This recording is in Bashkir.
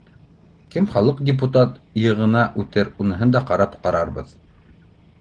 Кем халыҡ депутат- иыгына үтер, уныһын да ҡарап ҡарарҙар